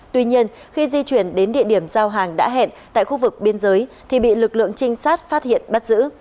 tuy nhiên khi di chuyển đến địa điểm giao hàng đã hẹn tại khu vực biên giới thì bị lực lượng trinh sát phát hiện bắt giữ